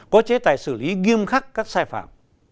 có chế tài xử lý nghiêm khắc các sai phạm